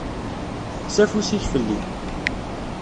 Kkes afus-ik fell-i.